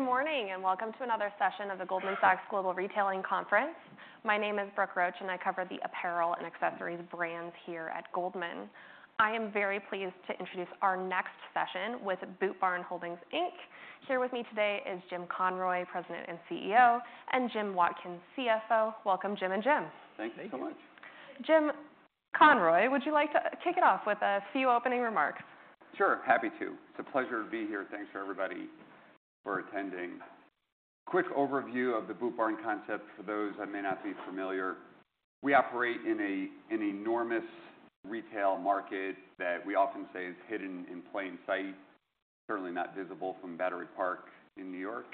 Good morning, and welcome to another session of the Goldman Sachs Global Retailing Conference. My name is Brooke Roach, and I cover the apparel and accessories brands here at Goldman. I am very pleased to introduce our next session with Boot Barn Holdings, Inc. Here with me today is Jim Conroy, President and CEO, and Jim Watkins, CFO. Welcome, Jim and Jim. Thank you. Thank you so much. Jim Conroy, would you like to kick it off with a few opening remarks? Sure, happy to. It's a pleasure to be here. Thanks for everybody for attending. Quick overview of the Boot Barn concept for those that may not be familiar. We operate in an enormous retail market that we often say is hidden in plain sight, certainly not visible from Battery Park in New York.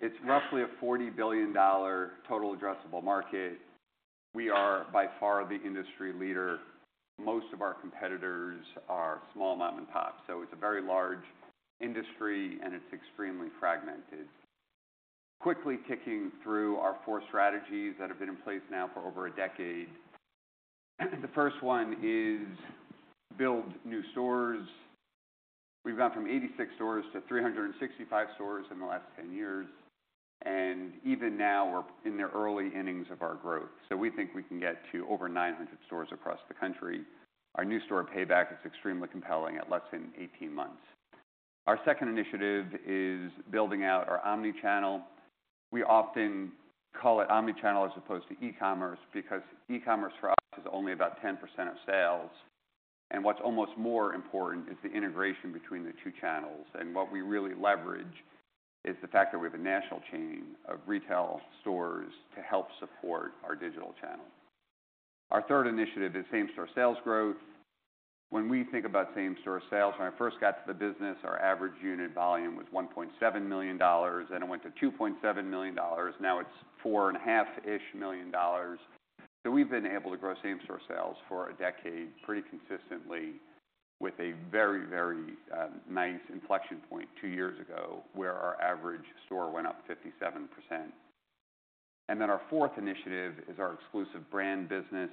It's roughly a $40 billion total addressable market. We are by far the industry leader. Most of our competitors are small mom and pops, so it's a very large industry, and it's extremely fragmented. Quickly ticking through our four strategies that have been in place now for over a decade. The first one is build new stores. We've gone from 86 stores to 365 stores in the last 10 years, and even now, we're in the early innings of our growth. So we think we can get to over 900 stores across the country. Our new store payback is extremely compelling at less than 18 months. Our second initiative is building out our omni-channel. We often call it omni-channel as opposed to e-commerce, because e-commerce for us is only about 10% of sales, and what's almost more important is the integration between the two channels. And what we really leverage is the fact that we have a national chain of retail stores to help support our digital channel. Our third initiative is same-store sales growth. When we think about same-store sales, when I first got to the business, our average unit volume was $1.7 million, then it went to $2.7 million. Now it's $4.5 million-ish. So we've been able to grow same-store sales for a decade, pretty consistently, with a very, very nice inflection point two years ago, where our average store went up 57%. And then our fourth initiative is our exclusive brand business.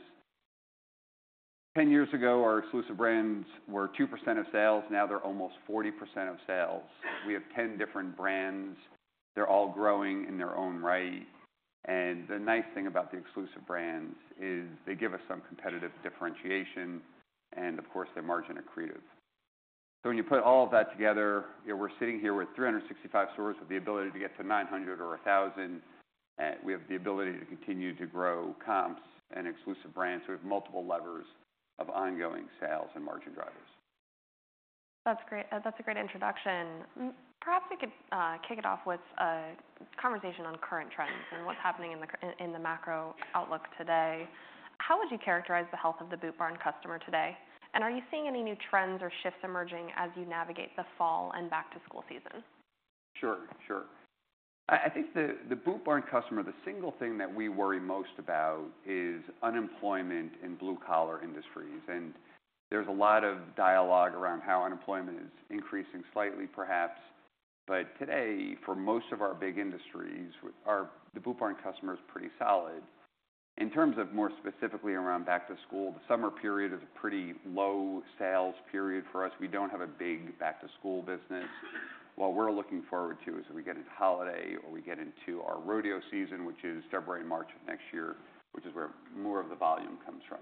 10 years ago, our exclusive brands were 2% of sales. Now they're almost 40% of sales. We have 10 different brands. They're all growing in their own right. And the nice thing about the exclusive brands is they give us some competitive differentiation, and of course, their margin accretive. So when you put all of that together, we're sitting here with 365 stores, with the ability to get to 900 or 1,000, we have the ability to continue to grow comps and exclusive brands. So we have multiple levers of ongoing sales and margin drivers. That's great. That's a great introduction. Perhaps we could kick it off with a conversation on current trends and what's happening in the macro outlook today. How would you characterize the health of the Boot Barn customer today? And are you seeing any new trends or shifts emerging as you navigate the fall and back-to-school season? Sure, sure. I think the Boot Barn customer, the single thing that we worry most about is unemployment in blue-collar industries. There's a lot of dialogue around how unemployment is increasing slightly, perhaps, but today, for most of our big industries, our, the Boot Barn customer is pretty solid. In terms of more specifically around back to school, the summer period is a pretty low sales period for us. We don't have a big back-to-school business. What we're looking forward to is that we get into holiday or we get into our rodeo season, which is February, March of next year, which is where more of the volume comes from.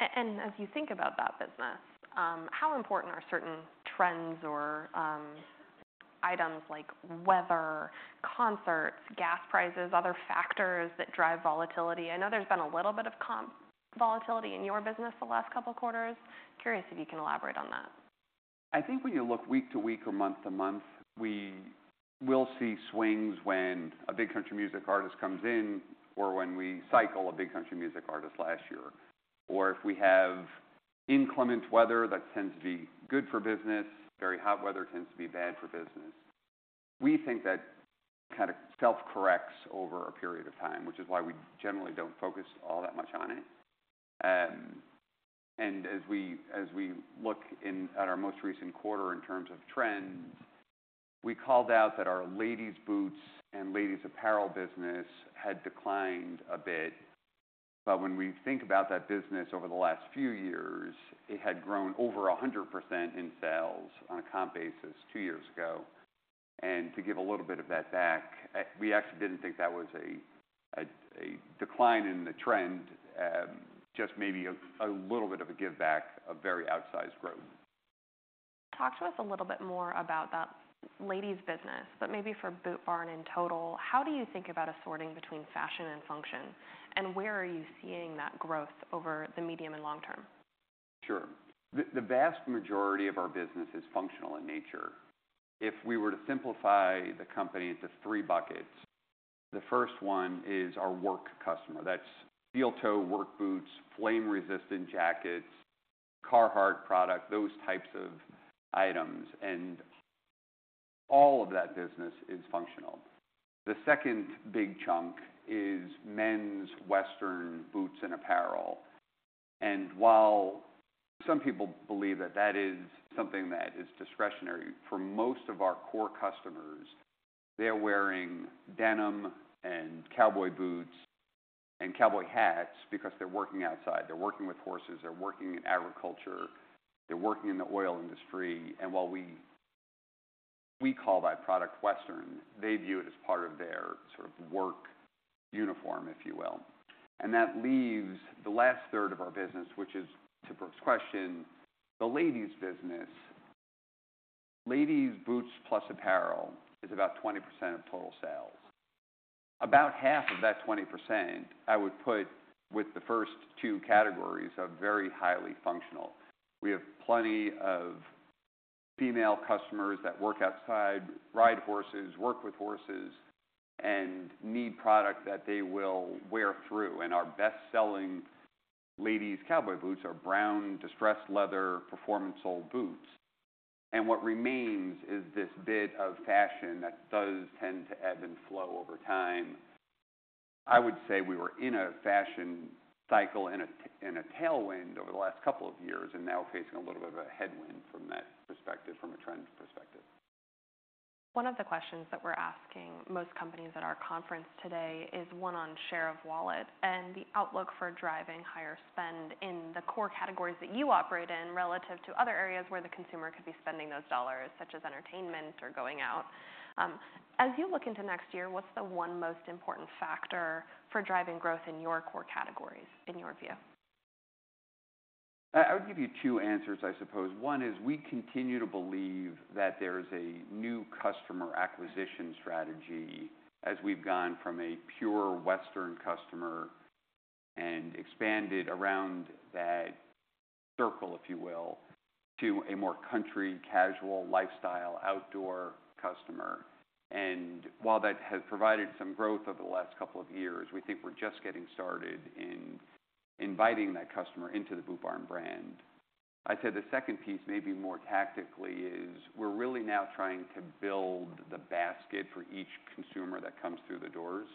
As you think about that business, how important are certain trends or items like weather, concerts, gas prices, other factors that drive volatility? I know there's been a little bit of comp volatility in your business the last couple of quarters. Curious if you can elaborate on that. I think when you look week to week or month to month, we will see swings when a big country music artist comes in, or when we cycle a big country music artist last year. Or if we have inclement weather, that tends to be good for business. Very hot weather tends to be bad for business. We think that kind of self-corrects over a period of time, which is why we generally don't focus all that much on it. And as we look in at our most recent quarter in terms of trends, we called out that our ladies' boots and ladies' apparel business had declined a bit. But when we think about that business over the last few years, it had grown over 100% in sales on a comp basis two years ago. To give a little bit of that back, we actually didn't think that was a decline in the trend, just maybe a little bit of a giveback, a very outsized growth. Talk to us a little bit more about that ladies' business, but maybe for Boot Barn in total, how do you think about assorting between fashion and function? And where are you seeing that growth over the medium and long term? Sure. The vast majority of our business is functional in nature. If we were to simplify the company into three buckets, the first one is our work customer. That's steel-toe work boots, flame-resistant jackets, Carhartt product, those types of items, and all of that business is functional. The second big chunk is men's western boots and apparel. And while some people believe that that is something that is discretionary, for most of our core customers, they're wearing denim and cowboy boots and cowboy hats because they're working outside, they're working with horses, they're working in agriculture, they're working in the oil industry. And while we call that product western, they view it as part of their sort of work uniform, if you will. And that leaves the last third of our business, which is, to Brooke's question, the ladies business. Ladies boots plus apparel is about 20% of total sales. About half of that 20%, I would put with the first two categories of very highly functional. We have plenty of female customers that work outside, ride horses, work with horses, and need product that they will wear through, and our best-selling ladies cowboy boots are brown, distressed leather performance sole boots. And what remains is this bit of fashion that does tend to ebb and flow over time. I would say we were in a fashion cycle in a tailwind over the last couple of years, and now facing a little bit of a headwind from that perspective, from a trend perspective. One of the questions that we're asking most companies at our conference today is one on share of wallet and the outlook for driving higher spend in the core categories that you operate in, relative to other areas where the consumer could be spending those dollars, such as entertainment or going out. As you look into next year, what's the one most important factor for driving growth in your core categories, in your view? I would give you two answers, I suppose. One is we continue to believe that there is a new customer acquisition strategy as we've gone from a pure Western customer and expanded around that circle, if you will, to a more country, casual, lifestyle, outdoor customer. And while that has provided some growth over the last couple of years, we think we're just getting started in inviting that customer into the Boot Barn brand. I'd say the second piece, maybe more tactically, is we're really now trying to build the basket for each consumer that comes through the doors.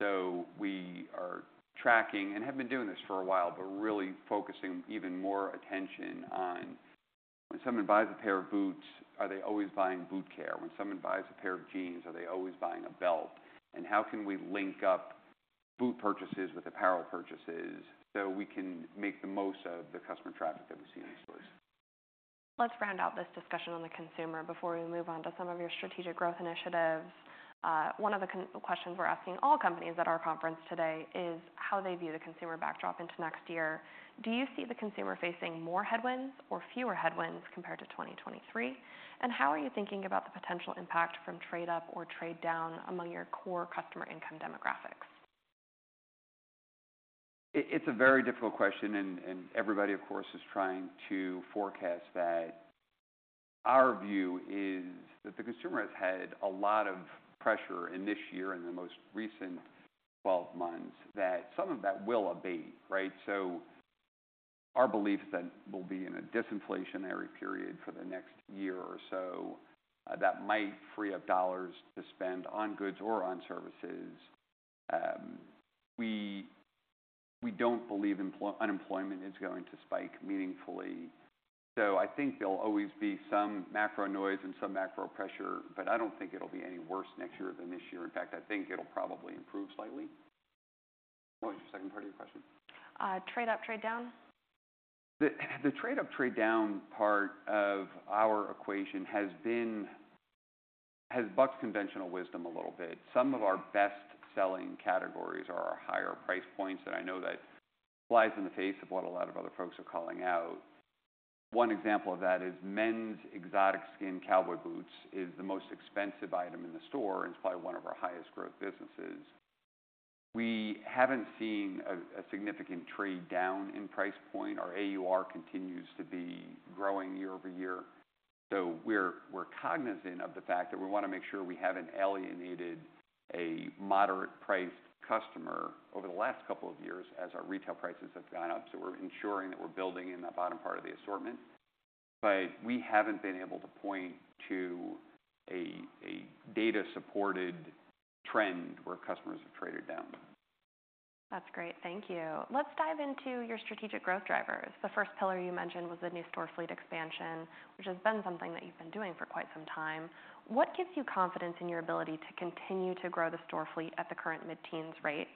So we are tracking, and have been doing this for a while, but really focusing even more attention on when someone buys a pair of boots, are they always buying boot care? When someone buys a pair of jeans, are they always buying a belt? How can we link up boot purchases with apparel purchases, so we can make the most of the customer traffic that we see in the stores? Let's round out this discussion on the consumer before we move on to some of your strategic growth initiatives. One of the questions we're asking all companies at our conference today is how they view the consumer backdrop into next year. Do you see the consumer facing more headwinds or fewer headwinds compared to 2023? And how are you thinking about the potential impact from trade up or trade down among your core customer income demographics? It's a very difficult question, and everybody, of course, is trying to forecast that. Our view is that the consumer has had a lot of pressure in this year, in the most recent 12 months, that some of that will abate, right? So our belief is that we'll be in a disinflationary period for the next year or so, that might free up dollars to spend on goods or on services. We don't believe unemployment is going to spike meaningfully. So I think there'll always be some macro noise and some macro pressure, but I don't think it'll be any worse next year than this year. In fact, I think it'll probably improve slightly. What was your second part of your question? Trade up, trade down. The trade up, trade down part of our equation has been has bucked conventional wisdom a little bit. Some of our best-selling categories are our higher price points, and I know that flies in the face of what a lot of other folks are calling out. One example of that is men's exotic skin cowboy boots is the most expensive item in the store, and it's probably one of our highest growth businesses. We haven't seen a significant trade down in price point. Our AUR continues to be growing year-over-year. So we're cognizant of the fact that we want to make sure we haven't alienated a moderate-priced customer over the last couple of years as our retail prices have gone up. So we're ensuring that we're building in that bottom part of the assortment, but we haven't been able to point to a data-supported trend where customers have traded down. That's great. Thank you. Let's dive into your strategic growth drivers. The first pillar you mentioned was the new store fleet expansion, which has been something that you've been doing for quite some time. What gives you confidence in your ability to continue to grow the store fleet at the current mid-teens rate?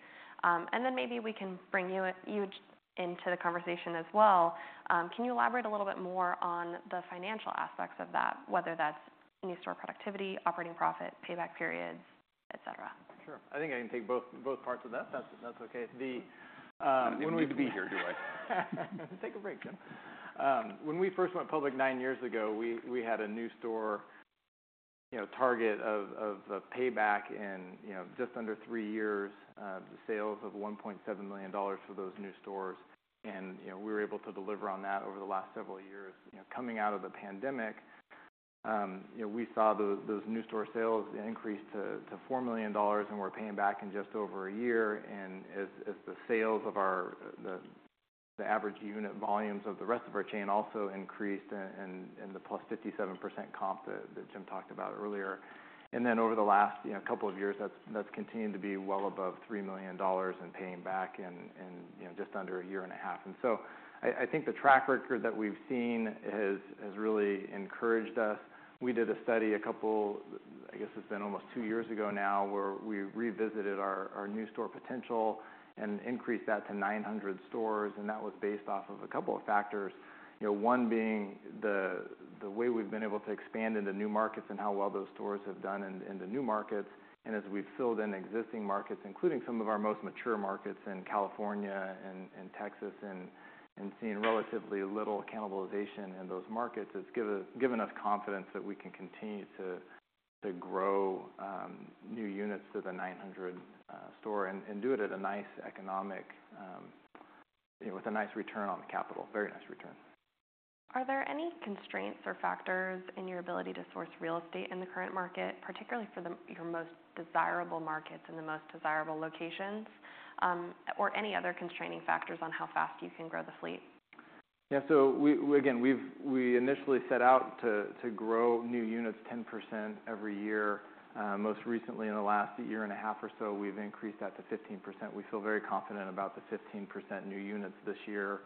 And then maybe we can bring you into the conversation as well. Can you elaborate a little bit more on the financial aspects of that, whether that's new store productivity, operating profit, payback periods, et cetera? Sure. I think I can take both, both parts of that, if that's, that's okay. I don't need to be here, do I? Take a break, Jim. When we first went public nine years ago, we had a new store target of payback in just under three years, the sales of $1.7 million for those new stores. And, you know, we were able to deliver on that over the last several years. You know, coming out of the pandemic, you know, we saw those new store sales increase to $4 million, and we're paying back in just over a year. And as the sales of our the average unit volumes of the rest of our chain also increased in the +57% comp that Jim talked about earlier. And then over the last, you know, couple of years, that's continued to be well above $3 million and paying back in, in, you know, just under a year and a half. And so I think the track record that we've seen has really encouraged us. We did a study a couple... I guess it's been almost two years ago now, where we revisited our new store potential and increased that to 900 stores, and that was based off of a couple of factors. You know, one being-... The way we've been able to expand into new markets and how well those stores have done in the new markets, and as we've filled in existing markets, including some of our most mature markets in California and Texas, and seeing relatively little cannibalization in those markets, it's given us confidence that we can continue to grow new units to the 900 store, and do it at a nice economic... You know, with a nice return on capital. Very nice return. Are there any constraints or factors in your ability to source real estate in the current market, particularly for your most desirable markets and the most desirable locations, or any other constraining factors on how fast you can grow the fleet? Yeah. So we, again, we've initially set out to grow new units 10% every year. Most recently, in the last year and a half or so, we've increased that to 15%. We feel very confident about the 15% new units this year,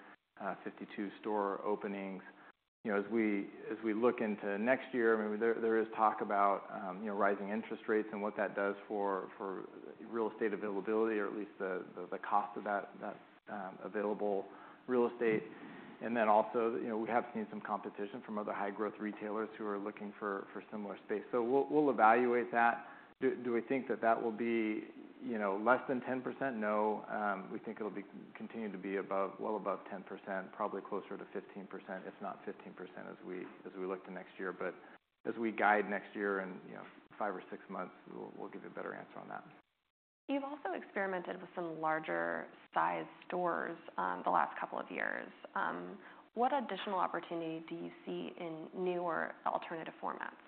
52 store openings. You know, as we look into next year, I mean, there is talk about, you know, rising interest rates and what that does for real estate availability, or at least the cost of that available real estate. And then also, you know, we have seen some competition from other high-growth retailers who are looking for similar space. So we'll evaluate that. Do we think that that will be, you know, less than 10%? No. We think it'll continue to be above, well above 10%, probably closer to 15%, if not 15%, as we look to next year. But as we guide next year in, you know, five or six months, we'll give you a better answer on that. You've also experimented with some larger-sized stores, the last couple of years. What additional opportunity do you see in new or alternative formats?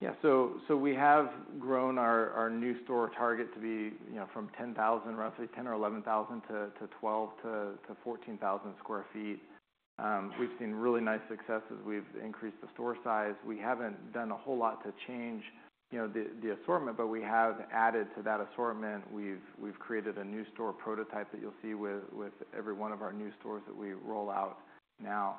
Yeah. So we have grown our new store target to be, you know, from 10,000, roughly 10 or 11 thousand, to 12,000-14,000 sq ft. We've seen really nice success as we've increased the store size. We haven't done a whole lot to change, you know, the assortment, but we have added to that assortment. We've created a new store prototype that you'll see with every one of our new stores that we roll out now.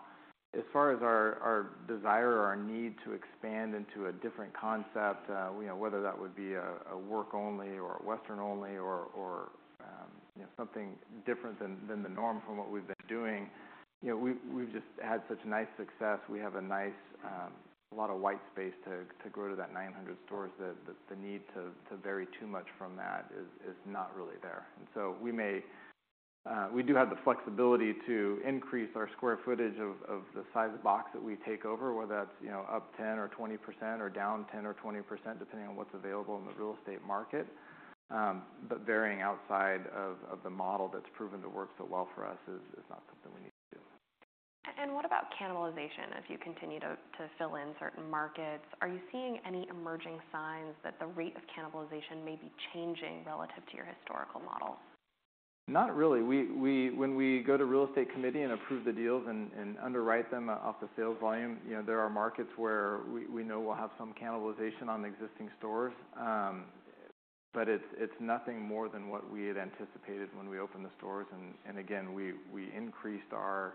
As far as our desire or our need to expand into a different concept, you know, whether that would be a work only, or a Western only, or, you know, something different than the norm from what we've been doing, you know, we've just had such nice success. We have a nice... A lot of white space to grow to that 900 stores, that the need to vary too much from that is not really there. And so we may, we do have the flexibility to increase our square footage of the size of the box that we take over, whether that's, you know, up 10% or 20%, or down 10% or 20%, depending on what's available in the real estate market. But varying outside of the model that's proven to work so well for us is not something we need to do. What about cannibalization as you continue to fill in certain markets? Are you seeing any emerging signs that the rate of cannibalization may be changing relative to your historical model? Not really. We, when we go to real estate committee and approve the deals and underwrite them off the sales volume, you know, there are markets where we know we'll have some cannibalization on the existing stores. But it's nothing more than what we had anticipated when we opened the stores. And again, we increased our,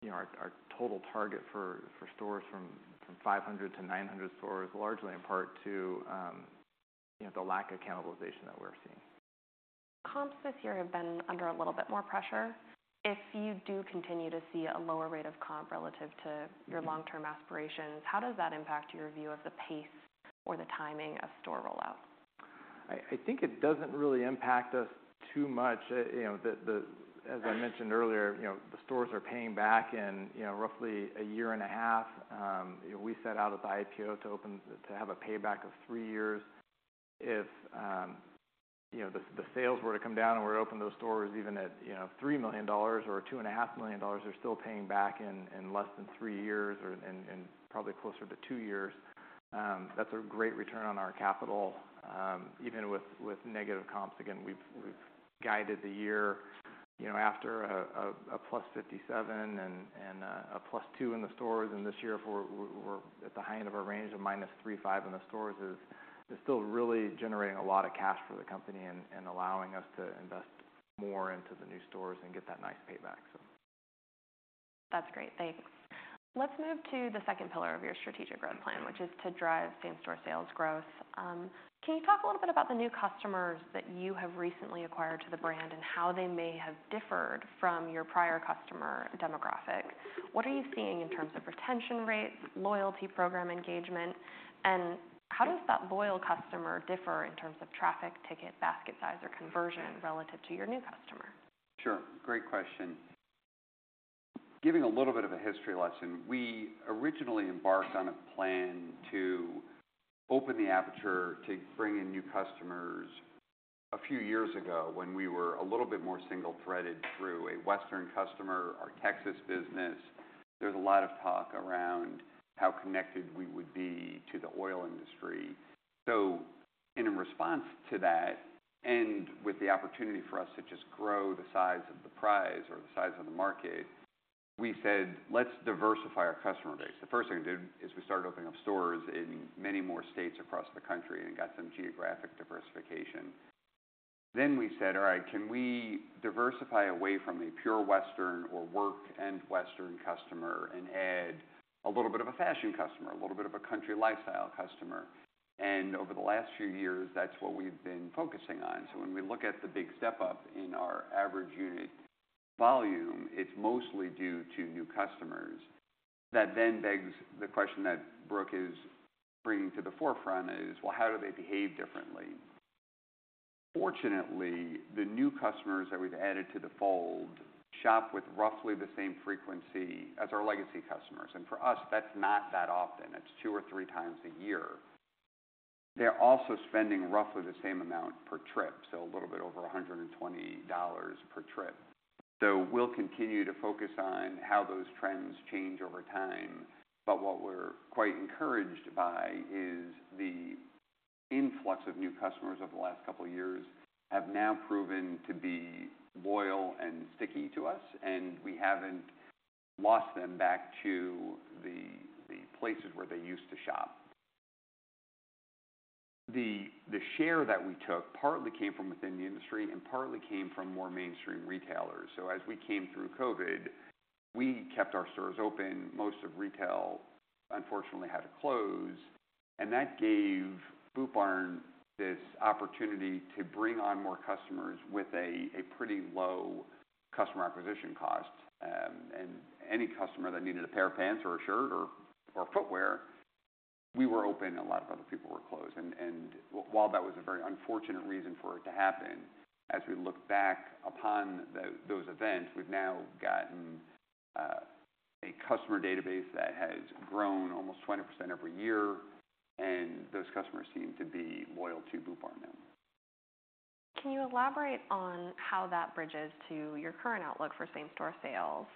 you know, our total target for stores from 500 to 900 stores, largely in part to, you know, the lack of cannibalization that we're seeing. Comps this year have been under a little bit more pressure. If you do continue to see a lower rate of comp relative to- Mm-hmm... your long-term aspirations, how does that impact your view of the pace or the timing of store rollouts? I think it doesn't really impact us too much. You know, the—as I mentioned earlier, you know, the stores are paying back in, you know, roughly a year and a half. We set out at the IPO to open... to have a payback of three years. If, you know, the sales were to come down, and we opened those stores even at, you know, $3 million or $2.5 million, they're still paying back in, in less than three years or, and probably closer to two years. That's a great return on our capital, even with negative comps. Again, we've guided the year, you know, after a +57 and a +2 in the stores, and this year we're at the high end of our range of -3 to -5 in the stores, is still really generating a lot of cash for the company and allowing us to invest more into the new stores and get that nice payback. So... That's great. Thanks. Let's move to the second pillar of your strategic growth plan, which is to drive same-store sales growth. Can you talk a little bit about the new customers that you have recently acquired to the brand and how they may have differed from your prior customer demographic? What are you seeing in terms of retention rates, loyalty program engagement, and how does that loyal customer differ in terms of traffic, ticket, basket size, or conversion relative to your new customer? Sure. Great question. Giving a little bit of a history lesson, we originally embarked on a plan to open the aperture to bring in new customers a few years ago, when we were a little bit more single-threaded through a western customer, our Texas business. There was a lot of talk around how connected we would be to the oil industry. So in a response to that, and with the opportunity for us to just grow the size of the prize or the size of the market, we said, "Let's diversify our customer base." The first thing we did is we started opening up stores in many more states across the country and got some geographic diversification. Then we said: All right, can we diversify away from a pure western or work and western customer and-... a little bit of a fashion customer, a little bit of a country lifestyle customer, and over the last few years, that's what we've been focusing on. So when we look at the big step up in our average unit volume, it's mostly due to new customers. That then begs the question that Brooke is bringing to the forefront is, well, how do they behave differently? Fortunately, the new customers that we've added to the fold shop with roughly the same frequency as our legacy customers, and for us, that's not that often. It's two or three times a year. They're also spending roughly the same amount per trip, so a little bit over $120 per trip. So we'll continue to focus on how those trends change over time. But what we're quite encouraged by is the influx of new customers over the last couple of years, have now proven to be loyal and sticky to us, and we haven't lost them back to the places where they used to shop. The share that we took partly came from within the industry and partly came from more mainstream retailers. So as we came through COVID, we kept our stores open. Most of retail, unfortunately, had to close, and that gave Boot Barn this opportunity to bring on more customers with a pretty low customer acquisition cost. And any customer that needed a pair of pants or a shirt or footwear, we were open, a lot of other people were closed. While that was a very unfortunate reason for it to happen, as we look back upon those events, we've now gotten a customer database that has grown almost 20% every year, and those customers seem to be loyal to Boot Barn now. Can you elaborate on how that bridges to your current outlook for same-store sales?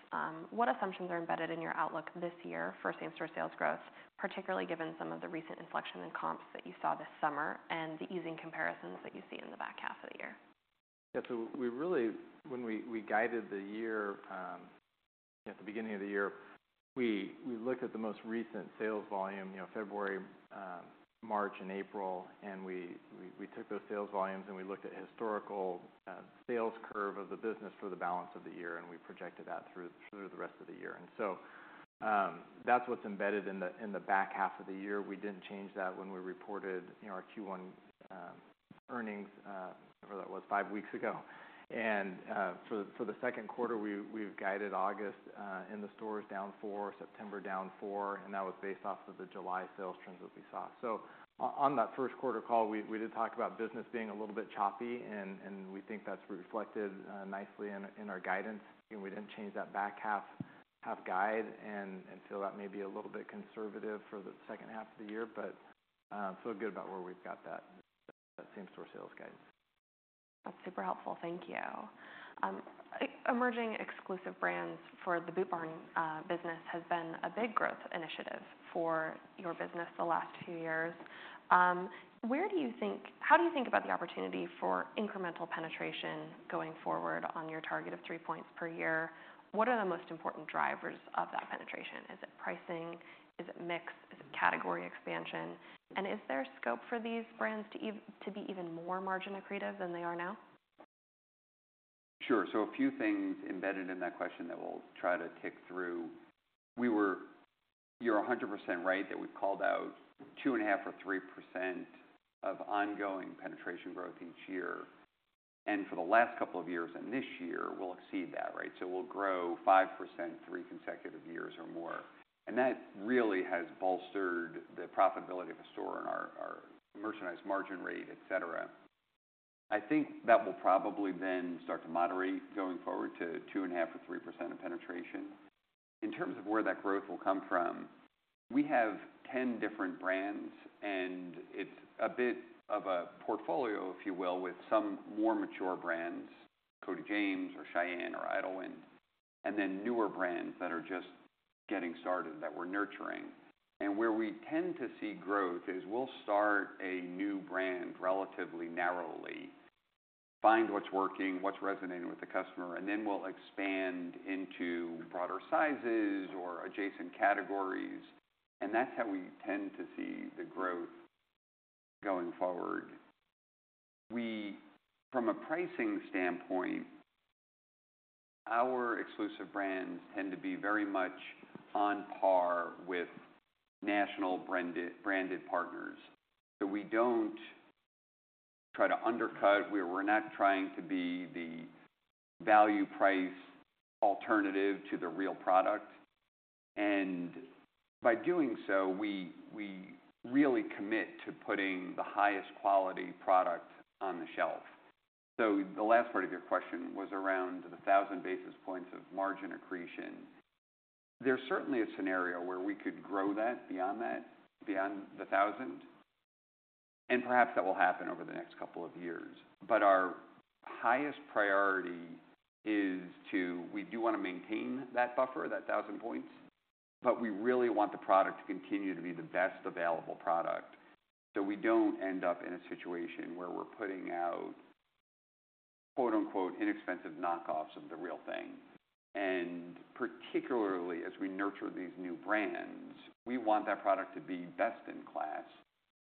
What assumptions are embedded in your outlook this year for same-store sales growth, particularly given some of the recent inflection in comps that you saw this summer and the easing comparisons that you see in the back half of the year? Yeah, so when we guided the year at the beginning of the year, we took those sales volumes and we looked at historical sales curve of the business for the balance of the year, and we projected that through the rest of the year. So, that's what's embedded in the back half of the year. We didn't change that when we reported, you know, our Q1 earnings whatever that was, five weeks ago. For the second quarter, we've guided August in the stores down four, September down four, and that was based off of the July sales trends that we saw. So on that first quarter call, we, we did talk about business being a little bit choppy, and, and we think that's reflected nicely in, in our guidance, and we didn't change that back half guide. And so that may be a little bit conservative for the second half of the year, but feel good about where we've got that same-store sales guide. That's super helpful. Thank you. Emerging exclusive brands for the Boot Barn business has been a big growth initiative for your business the last two years. Where do you think, how do you think about the opportunity for incremental penetration going forward on your target of three points per year? What are the most important drivers of that penetration? Is it pricing? Is it mix? Is it category expansion? And is there scope for these brands to be even more margin accretive than they are now? Sure. So a few things embedded in that question that we'll try to tick through. We were... You're 100% right, that we've called out 2.5%-3% of ongoing penetration growth each year. And for the last couple of years and this year, we'll exceed that, right? So we'll grow 5%, 3 consecutive years or more, and that really has bolstered the profitability of the store and our, our merchandise margin rate, et cetera. I think that will probably then start to moderate going forward to 2.5%-3% of penetration. In terms of where that growth will come from, we have 10 different brands, and it's a bit of a portfolio, if you will, with some more mature brands, Cody James or Shyenne or Idyllwind, and then newer brands that are just getting started, that we're nurturing. And where we tend to see growth is, we'll start a new brand relatively narrowly, find what's working, what's resonating with the customer, and then we'll expand into broader sizes or adjacent categories, and that's how we tend to see the growth going forward. From a pricing standpoint, our exclusive brands tend to be very much on par with national branded, branded partners. So we don't try to undercut. We, we're not trying to be the value price alternative to the real product, and by doing so, we, we really commit to putting the highest quality product on the shelf. So the last part of your question was around the 1,000 basis points of margin accretion. There's certainly a scenario where we could grow that beyond that, beyond the 1,000, and perhaps that will happen over the next couple of years. But our highest priority is to... We do want to maintain that buffer, that 1,000 points, but we really want the product to continue to be the best available product, so we don't end up in a situation where we're putting out, quote-unquote, "inexpensive knockoffs of the real thing." And particularly as we nurture these new brands, we want that product to be best in class.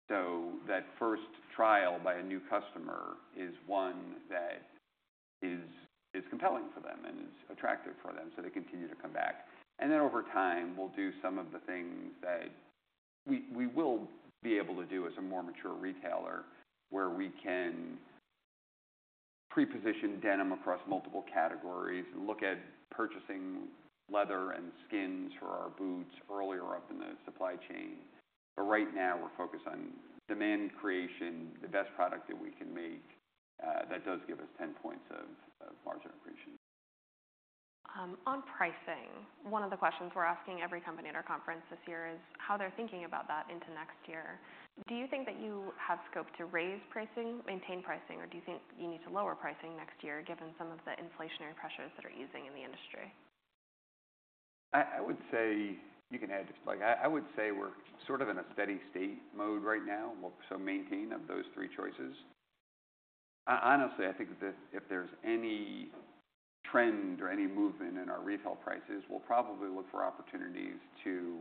So that first trial by a new customer is one that is compelling for them and is attractive for them, so they continue to come back. And then over time, we'll do some of the things that we will be able to do as a more mature retailer, where we can pre-position denim across multiple categories and look at purchasing leather and skins for our boots earlier up in the supply chain. Right now, we're focused on demand creation, the best product that we can make, that does give us 10 points of margin appreciation. On pricing, one of the questions we're asking every company at our conference this year is how they're thinking about that into next year. Do you think that you have scope to raise pricing, maintain pricing, or do you think you need to lower pricing next year, given some of the inflationary pressures that are easing in the industry? I would say—You can add. Like, I would say we're sort of in a steady state mode right now, we'll so maintain of those three choices. Honestly, I think that if there's any trend or any movement in our retail prices, we'll probably look for opportunities to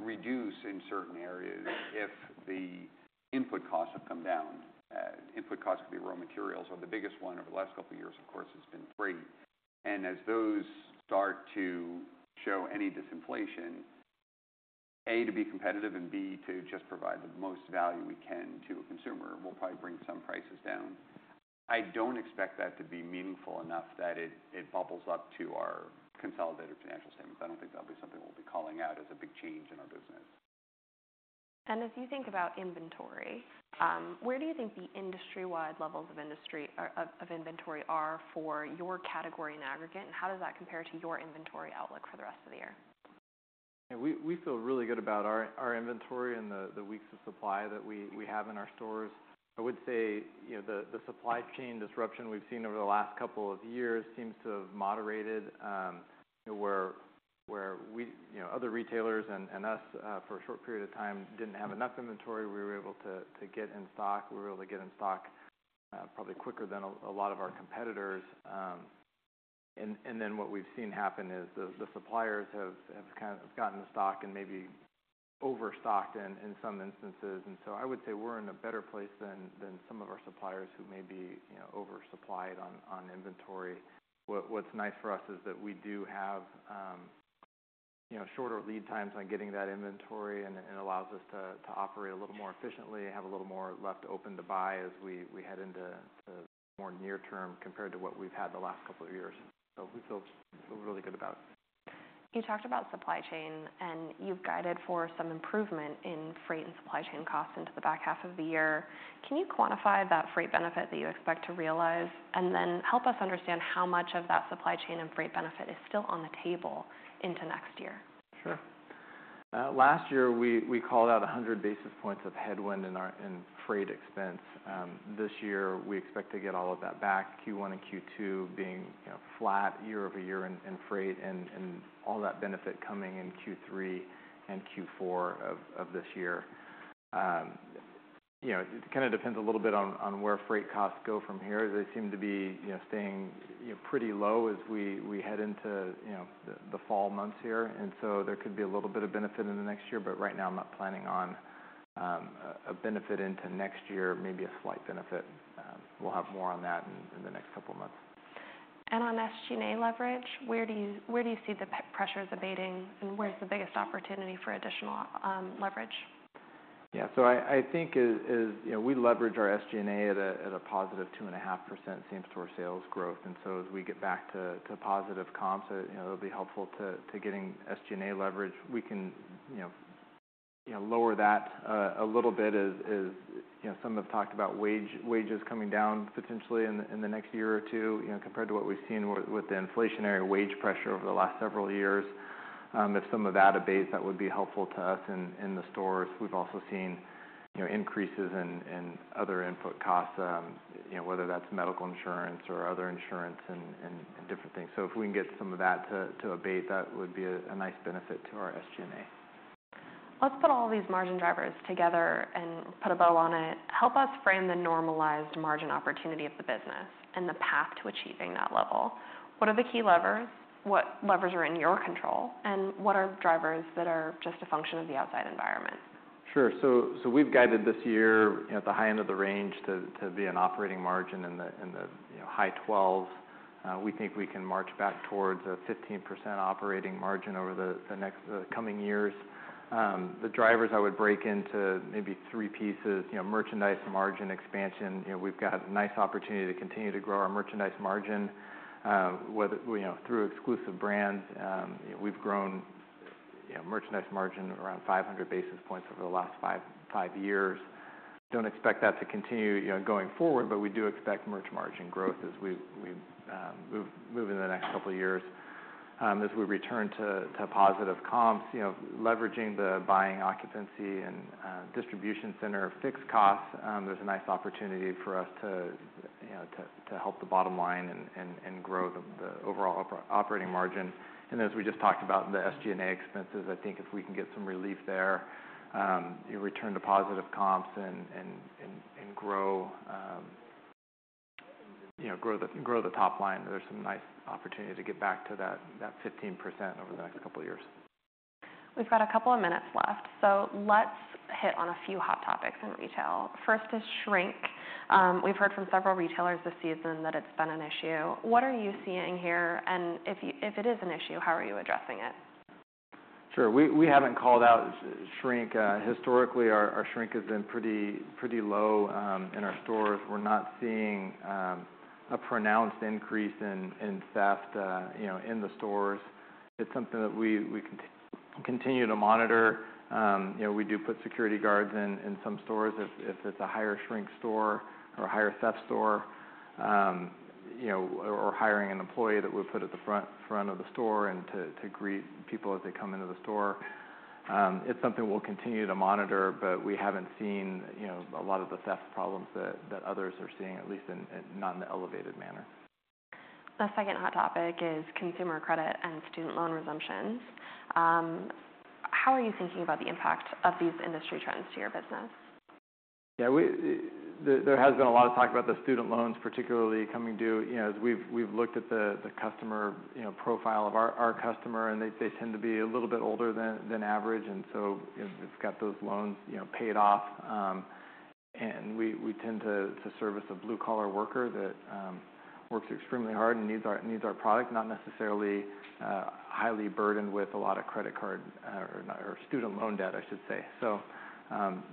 reduce in certain areas if the input costs have come down. Input costs could be raw materials, or the biggest one over the last couple of years, of course, has been freight. And as those start to show any disinflation, A, to be competitive, and B, to just provide the most value we can to a consumer, we'll probably bring some prices down. I don't expect that to be meaningful enough that it, it bubbles up to our consolidated financial statements. I don't think that'll be something we'll be calling out as a big change in our business. As you think about inventory, where do you think the industry-wide levels of inventory are for your category in aggregate, and how does that compare to your inventory outlook for the rest of the year? Yeah, we feel really good about our inventory and the weeks of supply that we have in our stores. I would say, you know, the supply chain disruption we've seen over the last couple of years seems to have moderated, where we... You know, other retailers and us for a short period of time didn't have enough inventory. We were able to get in stock. We were able to get in stock probably quicker than a lot of our competitors. And then what we've seen happen is the suppliers have kind of gotten the stock and maybe overstocked in some instances. And so I would say we're in a better place than some of our suppliers who may be, you know, oversupplied on inventory. What's nice for us is that we do have, you know, shorter lead times on getting that inventory, and it allows us to operate a little more efficiently and have a little more left open to buy as we head into the more near term, compared to what we've had the last couple of years. So we feel really good about it. You talked about supply chain, and you've guided for some improvement in freight and supply chain costs into the back half of the year. Can you quantify that freight benefit that you expect to realize? And then help us understand how much of that supply chain and freight benefit is still on the table into next year. Sure. Last year, we called out 100 basis points of headwind in our freight expense. This year, we expect to get all of that back, Q1 and Q2 being, you know, flat year-over-year in freight, and all that benefit coming in Q3 and Q4 of this year. You know, it kind of depends a little bit on where freight costs go from here. They seem to be, you know, staying, you know, pretty low as we head into the fall months here, and so there could be a little bit of benefit in the next year, but right now, I'm not planning on a benefit into next year, maybe a slight benefit. We'll have more on that in the next couple of months. On SG&A leverage, where do you see the pressures abating, and where's the biggest opportunity for additional leverage? Yeah. So I think it is. You know, we leverage our SG&A at a positive 2.5% same-store sales growth, and so as we get back to positive comps, you know, it'll be helpful to getting SG&A leverage. We can, you know, lower that a little bit as, you know, some have talked about wages coming down potentially in the next year or two, you know, compared to what we've seen with the inflationary wage pressure over the last several years. If some of that abates, that would be helpful to us in the stores. We've also seen, you know, increases in other input costs, you know, whether that's medical insurance or other insurance and different things. So if we can get some of that to abate, that would be a nice benefit to our SG&A. Let's put all these margin drivers together and put a bow on it. Help us frame the normalized margin opportunity of the business and the path to achieving that level. What are the key levers? What levers are in your control, and what are drivers that are just a function of the outside environment? Sure. So we've guided this year, you know, at the high end of the range, to be an operating margin in the, you know, high 12s. We think we can march back towards a 15% operating margin over the next coming years. The drivers, I would break into maybe three pieces. You know, merchandise margin expansion. You know, we've got a nice opportunity to continue to grow our merchandise margin, whether you know, through exclusive brands. We've grown, you know, merchandise margin around 500 basis points over the last 5 years. Don't expect that to continue, you know, going forward, but we do expect merch margin growth as we move in the next couple of years. As we return to positive comps, you know, leveraging the buying occupancy and distribution center fixed costs, there's a nice opportunity for us to, you know, to help the bottom line and grow the overall operating margin. And as we just talked about, the SG&A expenses, I think if we can get some relief there, return to positive comps and grow the top line, there's some nice opportunity to get back to that 15% over the next couple of years.... We've got a couple of minutes left, so let's hit on a few hot topics in retail. First is shrink. We've heard from several retailers this season that it's been an issue. What are you seeing here? And if it is an issue, how are you addressing it? Sure. We haven't called out shrink. Historically, our shrink has been pretty low in our stores. We're not seeing a pronounced increase in theft, you know, in the stores. It's something that we continue to monitor. You know, we do put security guards in some stores if it's a higher shrink store or a higher theft store. You know, or hiring an employee that we'll put at the front of the store to greet people as they come into the store. It's something we'll continue to monitor, but we haven't seen, you know, a lot of the theft problems that others are seeing, at least not in an elevated manner. The second hot topic is consumer credit and student loan resumptions. How are you thinking about the impact of these industry trends to your business? Yeah, we... There has been a lot of talk about the student loans, particularly coming to, you know, as we've looked at the customer, you know, profile of our customer, and they tend to be a little bit older than average, and so, you know, have got those loans, you know, paid off. And we tend to service a blue-collar worker that works extremely hard and needs our product, not necessarily highly burdened with a lot of credit card or student loan debt, I should say. So,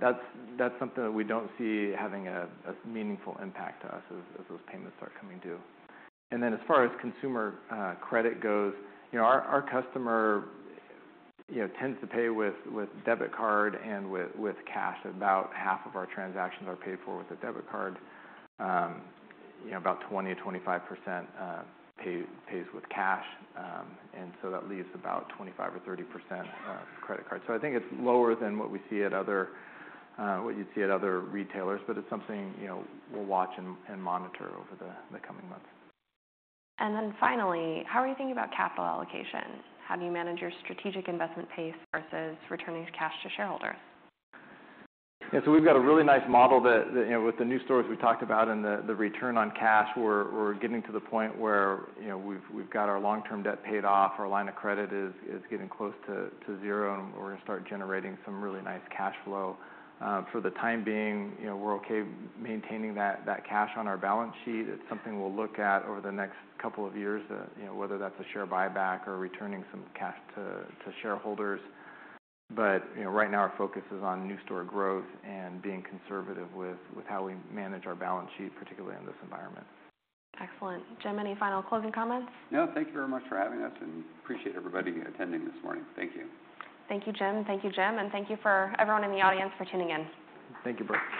that's something that we don't see having a meaningful impact to us as those payments start coming due. As far as consumer credit goes, you know, our customer tends to pay with debit card and with cash. About half of our transactions are paid for with a debit card. You know, about 20%-25% pays with cash. And so that leaves about 25%-30% credit card. So I think it's lower than what we see at other retailers, but it's something, you know, we'll watch and monitor over the coming months. Finally, how are you thinking about capital allocation? How do you manage your strategic investment pace versus returning cash to shareholders? Yeah, so we've got a really nice model that you know, with the new stores we talked about and the return on cash, we're getting to the point where you know, we've got our long-term debt paid off, our line of credit is getting close to zero, and we're gonna start generating some really nice cash flow. For the time being, you know, we're okay maintaining that cash on our balance sheet. It's something we'll look at over the next couple of years, you know, whether that's a share buyback or returning some cash to shareholders. But you know, right now, our focus is on new store growth and being conservative with how we manage our balance sheet, particularly in this environment. Excellent. Jim, any final closing comments? No. Thank you very much for having us, and appreciate everybody attending this morning. Thank you. Thank you, Jim. Thank you, Jim, and thank you for everyone in the audience for tuning in. Thank you, Brooke.